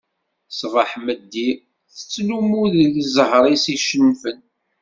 Ṣṣbeḥ meddi tettlummu deg zzher-is icennfen.